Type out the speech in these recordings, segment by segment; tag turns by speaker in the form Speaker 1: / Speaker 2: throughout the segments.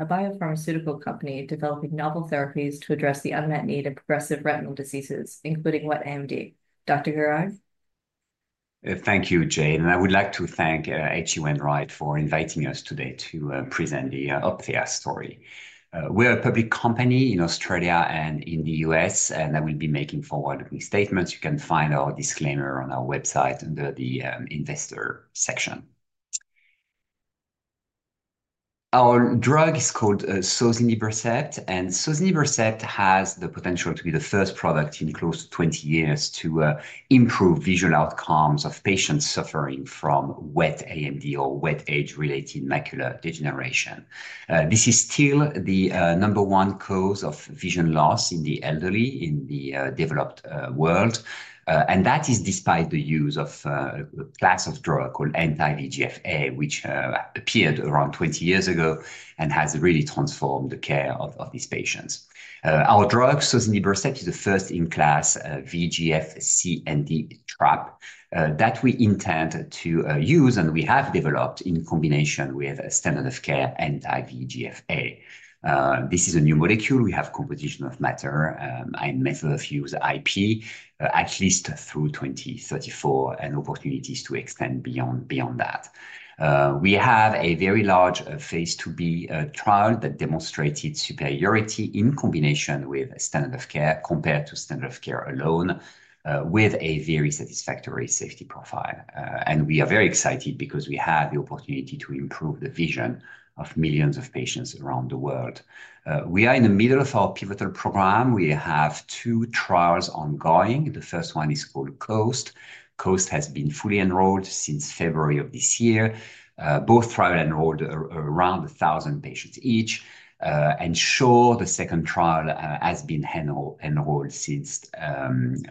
Speaker 1: A biopharmaceutical company developing novel therapies to address the unmet need of progressive retinal diseases, including wet AMD. Dr. Guerard?
Speaker 2: Thank you, Jane, and I would like to thank H.C. Wainwright for inviting us today to present the Opthea story. We're a public company in Australia and in the U.S., and I will be making forward-looking statements. You can find our disclaimer on our website under the investor section. Our drug is called sozinibercept, and sozinibercept has the potential to be the first product in close to twenty years to improve visual outcomes of patients suffering from wet AMD or wet age-related macular degeneration. This is still the number one cause of vision loss in the elderly in the developed world, and that is despite the use of a class of drug called anti-VEGF-A, which appeared around twenty years ago and has really transformed the care of these patients. Our drug, sozinibercept, is a first-in-class VEGF-C and -D trap that we intend to use, and we have developed in combination with a standard of care anti-VEGF-A. This is a new molecule. We have composition of matter and method of use IP at least through 2034, and opportunities to extend beyond that. We have a very large phase II-B trial that demonstrated superiority in combination with standard of care, compared to standard of care alone, with a very satisfactory safety profile. We are very excited because we have the opportunity to improve the vision of millions of patients around the world. We are in the middle of our pivotal program. We have two trials ongoing. The first one is called COAST. COAST has been fully enrolled since February of this year. Both trials enrolled around 1,000 patients each. And SHORE, the second trial, has been enrolled since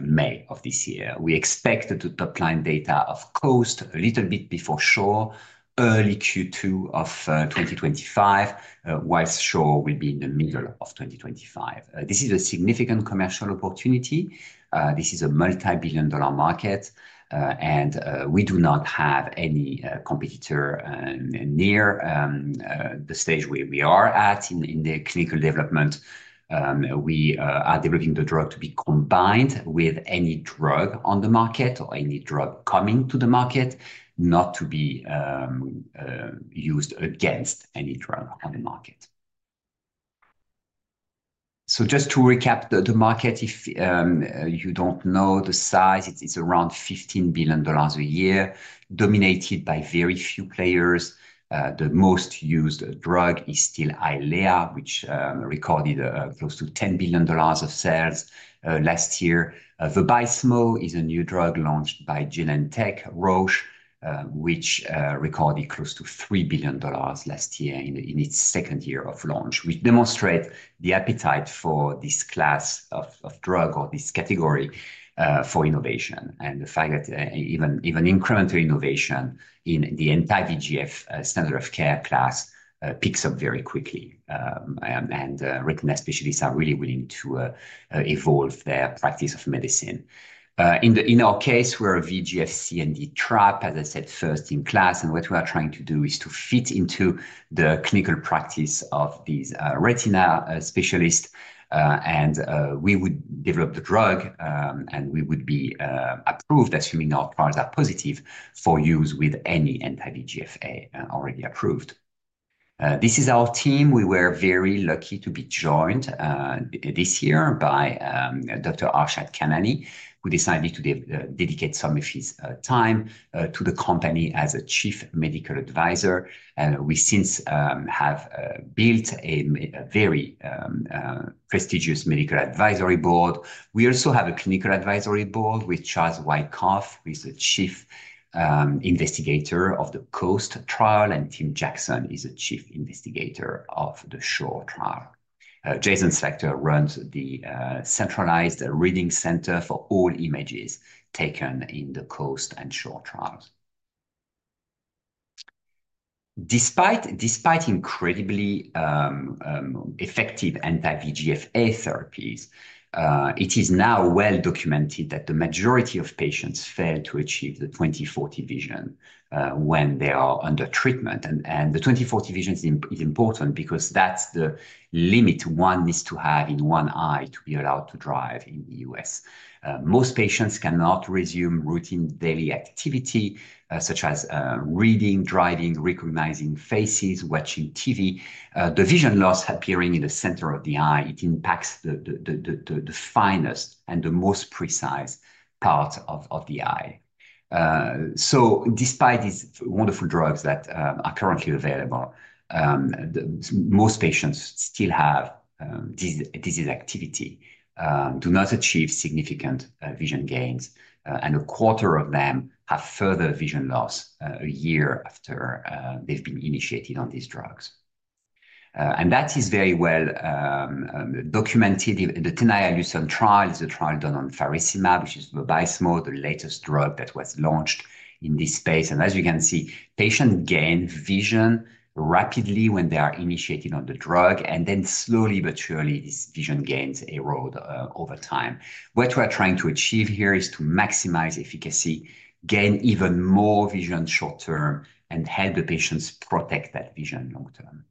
Speaker 2: May of this year. We expect that the top-line data of COAST a little bit before SHORE, early Q2 of 2025, whilst SHORE will be in the middle of 2025. This is a significant commercial opportunity. This is a multi-billion-dollar market, and we do not have any competitor near the stage where we are at in the clinical development. We are developing the drug to be combined with any drug on the market or any drug coming to the market, not to be used against any drug on the market. So just to recap, the market, if you don't know the size, it's around $15 billion a year, dominated by very few players. The most used drug is still Eylea, which recorded close to $10 billion of sales last year. Vabysmo is a new drug launched by Genentech Roche, which recorded close to $3 billion last year in its second year of launch, which demonstrate the appetite for this class of drug or this category for innovation, and the fact that even incremental innovation in the anti-VEGF standard of care class picks up very quickly. And retina specialists are really willing to evolve their practice of medicine. In our case, we're a VEGF-C and -D trap, as I said, first in class, and what we are trying to do is to fit into the clinical practice of these retina specialists. And we would develop the drug, and we would be approved, assuming our trials are positive, for use with any anti-VEGF-A already approved. This is our team. We were very lucky to be joined this year by Dr. Arshad Khanani, who decided to dedicate some of his time to the company as a chief medical advisor. And we since have built a very prestigious medical advisory board. We also have a clinical advisory board with Charles Wyckoff, who is the chief investigator of the COAST trial, and Tim Jackson is the chief investigator of the SHORE trial. Jason Slakter runs the centralized reading center for all images taken in the COAST and SHORE trials. Despite incredibly effective anti-VEGF-A therapies, it is now well documented that the majority of patients fail to achieve the 20/40 vision when they are under treatment. The 20/40 vision is important because that's the limit one needs to have in one eye to be allowed to drive in the U.S. Most patients cannot resume routine daily activity such as reading, driving, recognizing faces, watching TV. The vision loss appearing in the center of the eye, it impacts the finest and the most precise part of the eye. So despite these wonderful drugs that are currently available, the most patients still have disease activity, do not achieve significant vision gains, and a quarter of them have further vision loss a year after they've been initiated on these drugs. And that is very well documented. The TENAYA LUCERNE trial is a trial done on faricimab, which is Vabysmo, the latest drug that was launched in this space. And as you can see, patients gain vision rapidly when they are initiated on the drug, and then slowly but surely, these vision gains erode over time. What we are trying to achieve here is to maximize efficacy, gain even more vision short term, and help the patients protect that vision long term.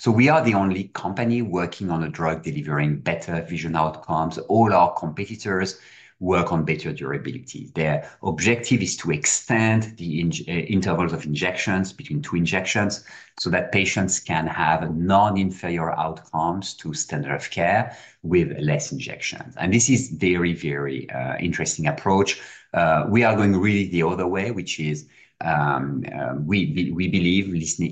Speaker 2: So we are the only company working on a drug delivering better vision outcomes. All our competitors work on better durability. Their objective is to extend the injection intervals between two injections, so that patients can have non-inferior outcomes to standard of care with less injections. And this is very, very interesting approach. We are going really the other way, which is we believe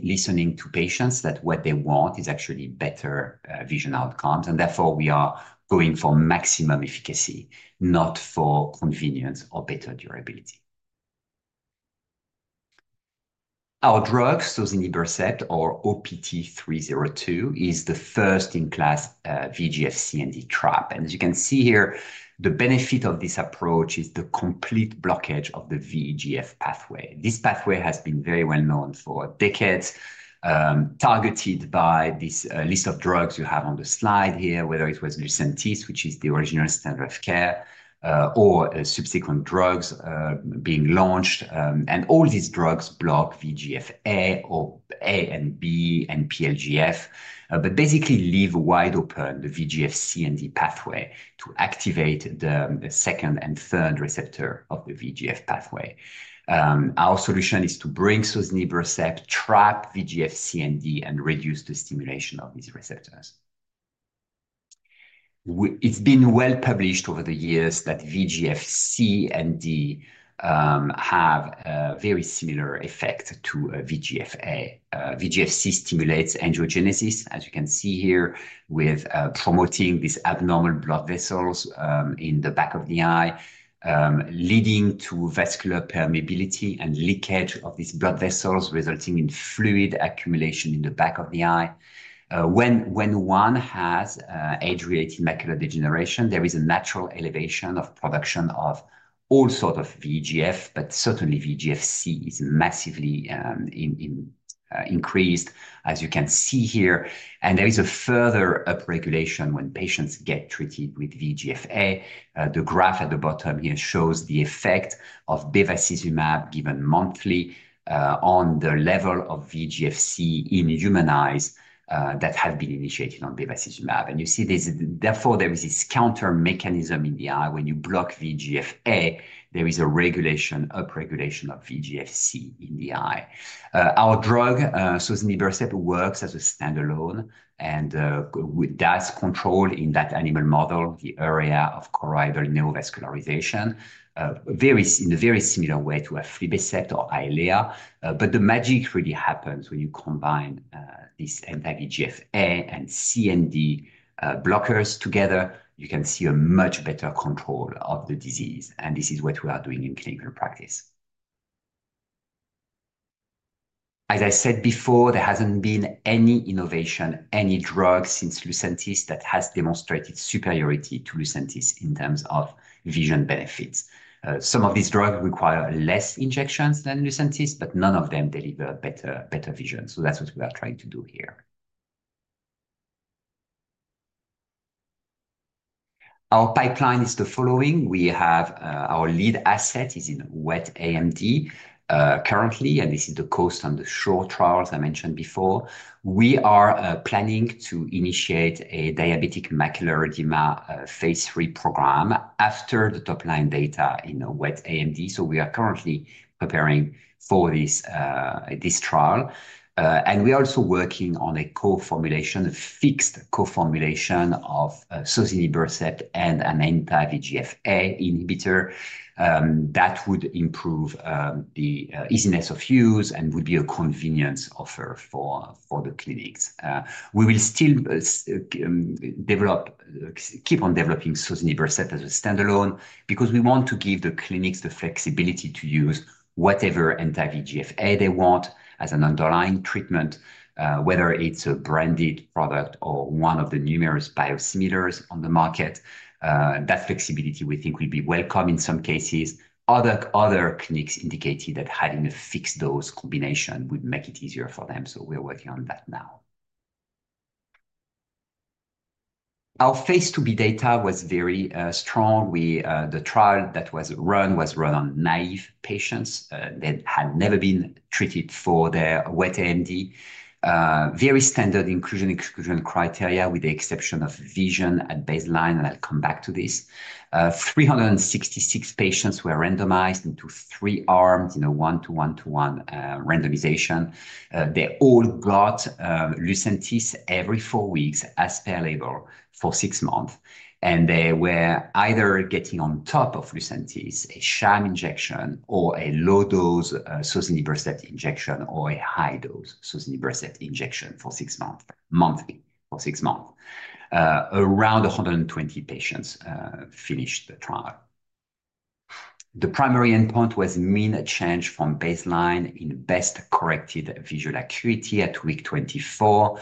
Speaker 2: listening to patients, that what they want is actually better vision outcomes, and therefore, we are going for maximum efficacy, not for convenience or better durability. Our drug, sozinibercept, or OPT-302, is the first-in-class VEGF-C and -D trap. As you can see here, the benefit of this approach is the complete blockage of the VEGF pathway. This pathway has been very well known for decades, targeted by this list of drugs you have on the slide here, whether it was LUCENTIS, which is the original standard of care, or subsequent drugs being launched, and all these drugs block VEGF-A, or A and B, and PLGF, but basically leave wide open the VEGF-C and -D pathway to activate the second and third receptor of the VEGF pathway. Our solution is to bring sozinibercept, trap VEGF-C and -D, and reduce the stimulation of these receptors. It's been well published over the years that VEGF-C and -D have a very similar effect to VEGF-A. VEGF-C stimulates angiogenesis, as you can see here, with promoting these abnormal blood vessels in the back of the eye, leading to vascular permeability and leakage of these blood vessels, resulting in fluid accumulation in the back of the eye. When one has age-related macular degeneration, there is a natural elevation of production of all sort of VEGF, but certainly VEGF-C is massively increased, as you can see here, and there is a further upregulation when patients get treated with VEGF-A. The graph at the bottom here shows the effect of bevacizumab given monthly on the level of VEGF-C in human eyes that have been initiated on bevacizumab. You see this, therefore, there is this counter-mechanism in the eye. When you block VEGF-A, there is a regulation, upregulation of VEGF-C in the eye. Our drug, sozinibercept, works as a standalone, and with that control in that animal model, the area of choroidal neovascularization, in a very similar way to aflibercept or Eylea. But the magic really happens when you combine these anti-VEGF-A and -C and -D blockers together. You can see a much better control of the disease, and this is what we are doing in clinical practice. As I said before, there hasn't been any innovation, any drug since LUCENTIS, that has demonstrated superiority to LUCENTIS in terms of vision benefits. Some of these drugs require less injections than LUCENTIS, but none of them deliver better vision, so that's what we are trying to do here. Our pipeline is the following: We have our lead asset is in wet AMD currently, and this is the COAST and the SHORE trials I mentioned before. We are planning to initiate a diabetic macular edema phase III program after the top-line data in wet AMD, so we are currently preparing for this trial. And we're also working on a co-formulation, a fixed co-formulation of sozinibercept and an anti-VEGF-A inhibitor. That would improve the easiness of use and would be a convenience offer for the clinics. We will still keep on developing sozinibercept as a standalone because we want to give the clinics the flexibility to use whatever anti-VEGF-A they want as an underlying treatment, whether it's a branded product or one of the numerous biosimilars on the market. That flexibility, we think, will be welcome in some cases. Other clinics indicated that having a fixed-dose combination would make it easier for them, so we're working on that now. Our phase II-B data was very strong. The trial that was run was run on naive patients that had never been treated for their wet AMD. Very standard inclusion/exclusion criteria, with the exception of vision at baseline, and I'll come back to this. 366 patients were randomized into three arms, in a one-to-one-to-one randomization. They all got LUCENTIS every four weeks, as per label, for six months, and they were either getting, on top of LUCENTIS, a sham injection, or a low-dose sozinibercept injection, or a high-dose sozinibercept injection for six months, monthly for six months. Around a hundred and twenty patients finished the trial. The primary endpoint was mean change from baseline in best-corrected visual acuity at week twenty-four.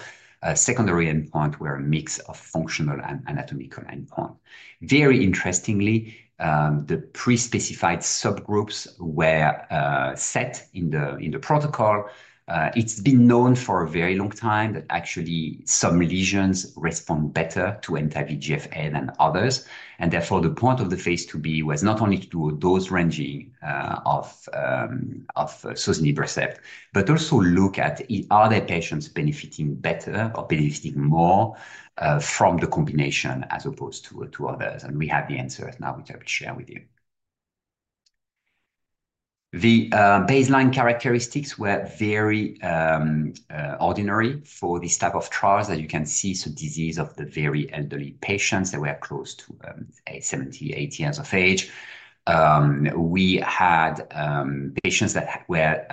Speaker 2: Secondary endpoint were a mix of functional and anatomical endpoint. Very interestingly, the pre-specified subgroups were set in the protocol. It's been known for a very long time that actually some lesions respond better to anti-VEGF-A than others, and therefore, the point of the phase II-B was not only to do a dose ranging of sozinibercept, but also look at are the patients benefiting better or benefiting more from the combination as opposed to others? And we have the answers now, which I will share with you. The baseline characteristics were very ordinary for this type of trials, as you can see, so disease of the very elderly patients. They were close to 70 years-80 years of age. We had patients that were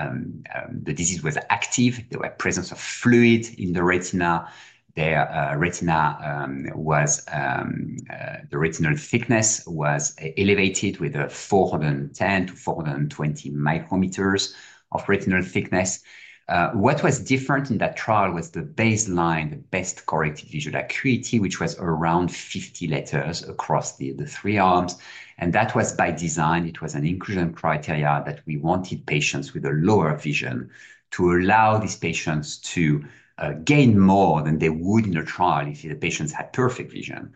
Speaker 2: the disease was active. There were presence of fluid in the retina. Their retina was the retinal thickness was elevated with 410 micrometers-420 micrometers of retinal thickness. What was different in that trial was the baseline, the best corrected visual acuity, which was around 50 letters across the three arms, and that was by design. It was an inclusion criteria that we wanted patients with a lower vision to allow these patients to gain more than they would in a trial if the patients had perfect vision.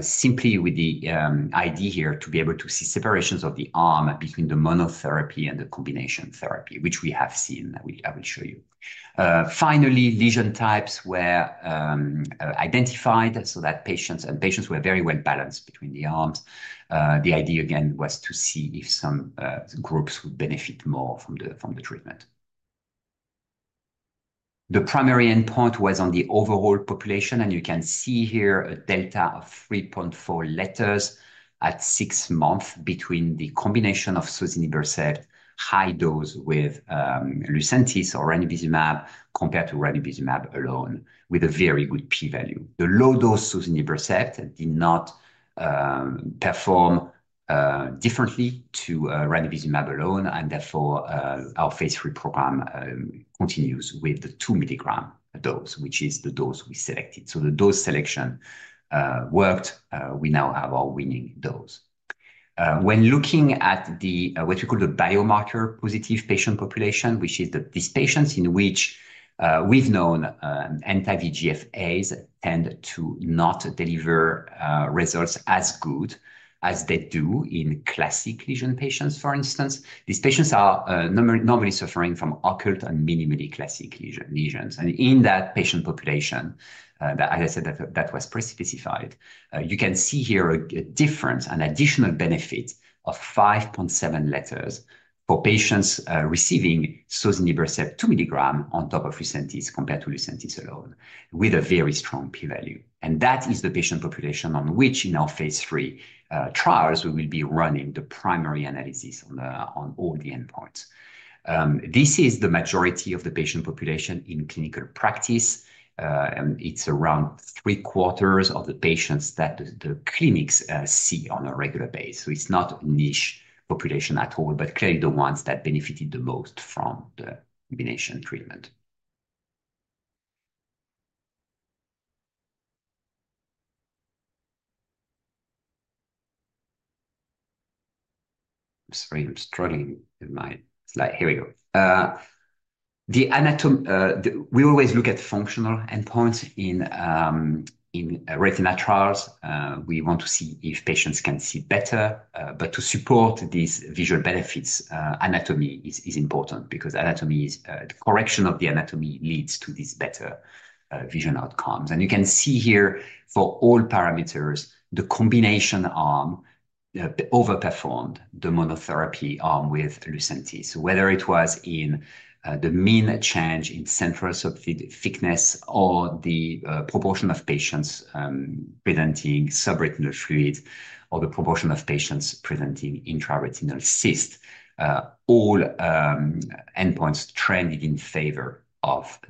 Speaker 2: Simply with the idea here to be able to see separations of the arms between the monotherapy and the combination therapy, which we have seen, that I will show you. Finally, lesion types were identified so that patients and patients were very well-balanced between the arms. The idea, again, was to see if some groups would benefit more from the treatment. The primary endpoint was on the overall population, and you can see here a delta of 3.4 letters at six months between the combination of sozinibercept, high dose with LUCENTIS or ranibizumab, compared to ranibizumab alone, with a very good P value. The low-dose sozinibercept did not perform differently to ranibizumab alone, and therefore, our phase III program continues with the two-milligram dose, which is the dose we selected. So the dose selection worked. We now have our winning dose. When looking at what you call the biomarker-positive patient population, which is these patients in which we've known anti-VEGF-As tend to not deliver results as good as they do in classic lesion patients, for instance. These patients are normally suffering from occult and minimally classic lesions. And in that patient population, that was pre-specified, you can see here a difference, an additional benefit of 5.7 letters for patients receiving sozinibercept 2 milligram on top of LUCENTIS compared to LUCENTIS alone, with a very strong P value. And that is the patient population on which in our phase III trials, we will be running the primary analysis on all the endpoints. This is the majority of the patient population in clinical practice, and it's around three-quarters of the patients that the clinics see on a regular basis. So it's not a niche population at all, but clearly the ones that benefited the most from the combination treatment. Sorry, I'm struggling with my slide. Here we go. We always look at functional endpoints in retina trials. We want to see if patients can see better, but to support these visual benefits, anatomy is important because the correction of the anatomy leads to these better vision outcomes, and you can see here for all parameters, the combination arm overperformed the monotherapy arm with LUCENTIS. Whether it was in the mean change in central subfield thickness, or the proportion of patients presenting subretinal fluid, or the proportion of patients presenting intraretinal cyst, all endpoints trended in favor of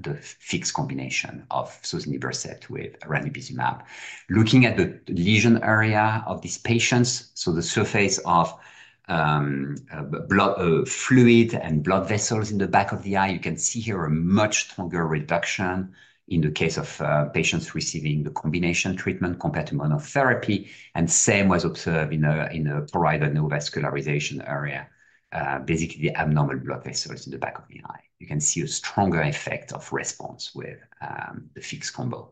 Speaker 2: the fixed combination of sozinibercept with ranibizumab. Looking at the lesion area of these patients, so the surface of blood, fluid and blood vessels in the back of the eye, you can see here a much stronger reduction in the case of patients receiving the combination treatment compared to monotherapy, and same was observed in a choroidal neovascularization area, basically the abnormal blood vessels in the back of the eye. You can see a stronger effect of response with the fixed combo.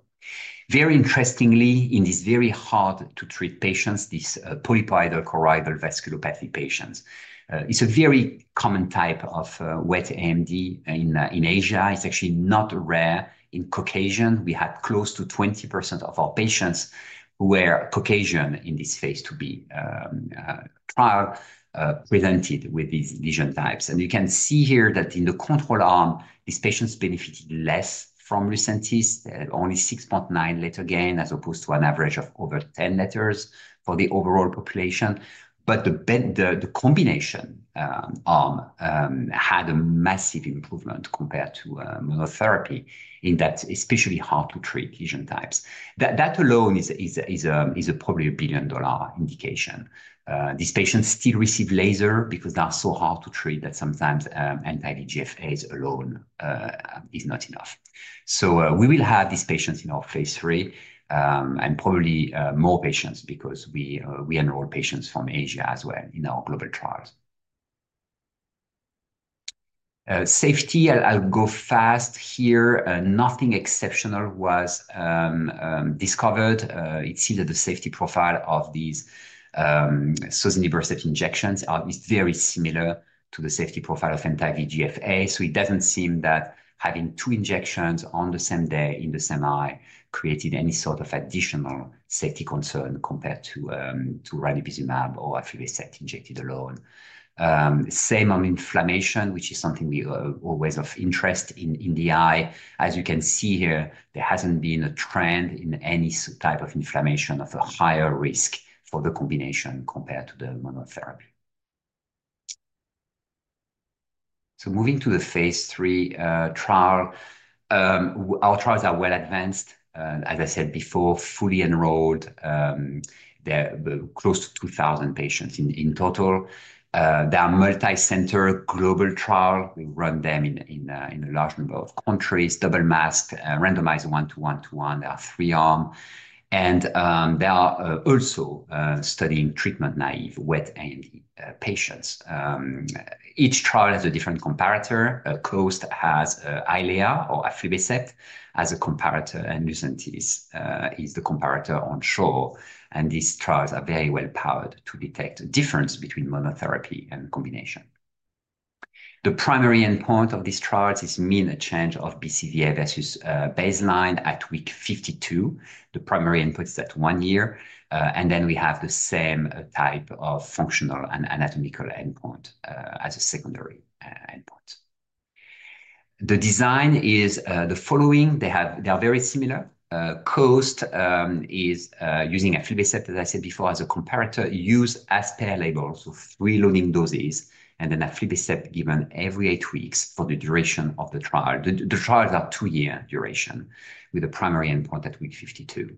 Speaker 2: Very interestingly, in these very hard-to-treat patients, these polypoidal choroidal vasculopathy patients, it's a very common type of wet AMD in Asia. It's actually not rare in Caucasians. We had close to 20% of our patients who were Caucasian in this phase II-B trial presented with these lesion types. You can see here that in the control arm, these patients benefited less from LUCENTIS, only 6.9 letter gain, as opposed to an average of over 10 letters for the overall population. But the combination arm had a massive improvement compared to monotherapy in that especially hard-to-treat lesion types. That alone is probably a billion-dollar indication. These patients still receive laser because they are so hard to treat that sometimes anti-VEGF-As alone is not enough. So we will have these patients in our phase III, and probably more patients because we enroll patients from Asia as well in our global trials. Safety, I'll go fast here. Nothing exceptional was discovered. It's either the safety profile of these sozinibercept injections is very similar to the safety profile of anti-VEGF-A, so it doesn't seem that having two injections on the same day in the same eye created any sort of additional safety concern compared to ranibizumab or aflibercept injected alone. Same on inflammation, which is something we always of interest in the eye. As you can see here, there hasn't been a trend in any type of inflammation of a higher risk for the combination compared to the monotherapy. So moving to the phase III trial, our trials are well advanced. As I said before, fully enrolled, there are close to two thousand patients in total. They are multi-center global trials. We run them in a large number of countries, double masked, randomized one-to-one to one. There are three arms. And they are also studying treatment-naive wet AMD patients. Each trial has a different comparator. COAST has Eylea or aflibercept as a comparator, and LUCENTIS is the comparator on SHORE. And these trials are very well powered to detect a difference between monotherapy and combination. The primary endpoint of these trials is mean a change of BCVA versus baseline at week 52. The primary endpoint is at one year, and then we have the same type of functional and anatomical endpoint as a secondary endpoint. The design is the following: they are very similar. COAST is using aflibercept, as I said before, as a comparator, use as per label, so three loading doses, and then aflibercept given every eight weeks for the duration of the trial. The trials are two-year duration, with a primary endpoint at week 52.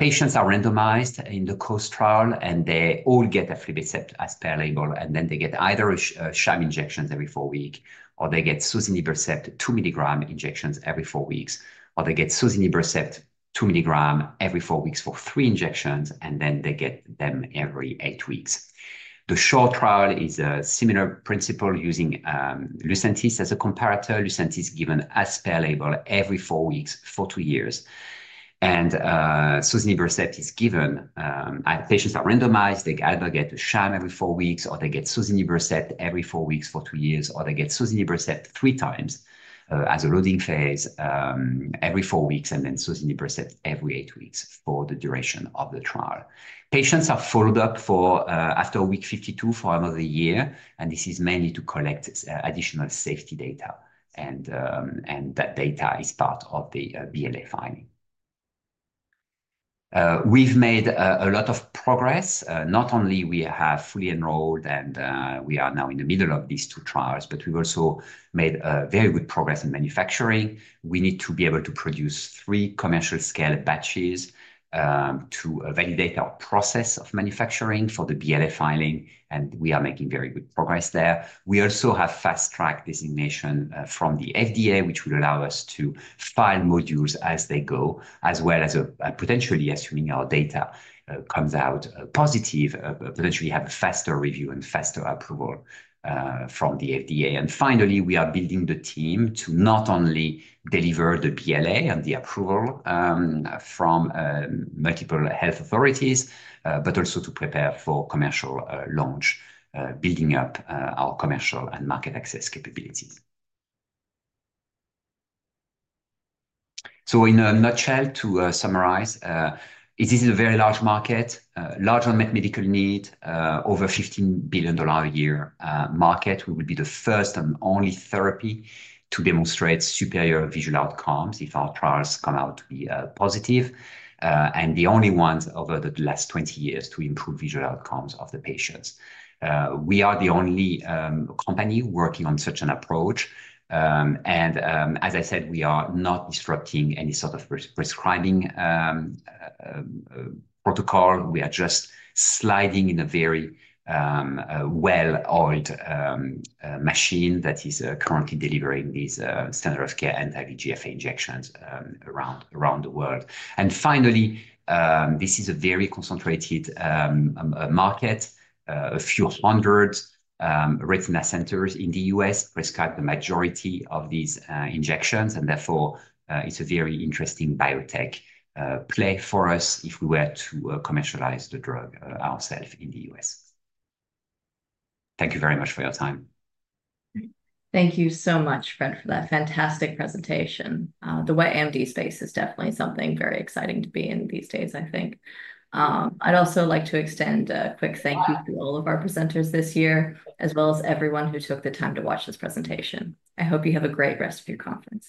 Speaker 2: Patients are randomized in the COAST trial, and they all get aflibercept as per label, and then they get either a sham injection every four weeks, or they get sozinibercept two-milligram injections every four weeks, or they get sozinibercept two milligrams every four weeks for three injections, and then they get them every eight weeks. The SHORE trial is a similar principle using LUCENTIS as a comparator. LUCENTIS is given as per label every four weeks for two years. Sozinibercept is given, and patients are randomized. They either get a sham every four weeks, or they get sozinibercept every four weeks for two years, or they get sozinibercept three times as a loading phase every four weeks, and then sozinibercept every eight weeks for the duration of the trial. Patients are followed up for, after week 52 for another year, and this is mainly to collect additional safety data, and that data is part of the BLA filing. We've made a lot of progress. Not only we have fully enrolled, and we are now in the middle of these two trials, but we've also made very good progress in manufacturing. We need to be able to produce three commercial-scale batches, to validate our process of manufacturing for the BLA filing, and we are making very good progress there. We also have fast-track designation from the FDA, which will allow us to file modules as they go, as well as potentially assuming our data comes out positive, potentially have a faster review and faster approval from the FDA. Finally, we are building the team to not only deliver the BLA and the approval from multiple health authorities, but also to prepare for commercial launch, building up our commercial and market access capabilities. In a nutshell, to summarize, it is a very large market, large unmet medical need, over $15 billion a year market. We will be the first and only therapy to demonstrate superior visual outcomes if our trials come out to be positive, and the only ones over the last 20 years to improve visual outcomes of the patients. We are the only company working on such an approach. As I said, we are not disrupting any sort of prescribing protocol. We are just sliding in a very well-oiled machine that is currently delivering these standard of care anti-VEGF injections around the world, and finally, this is a very concentrated market. A few hundred retina centers in the U.S. prescribe the majority of these injections, and therefore, it is a very interesting biotech play for us if we were to commercialize the drug ourselves in the U.S. Thank you very much for your time.
Speaker 1: Thank you so much, Fred, for that fantastic presentation. The wet AMD space is definitely something very exciting to be in these days, I think. I'd also like to extend a quick thank you to all of our presenters this year, as well as everyone who took the time to watch this presentation. I hope you have a great rest of your conference.